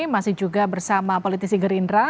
masih juga bersama politisi gerindra